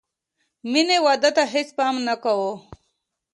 مینې واده ته هېڅ پام نه کاوه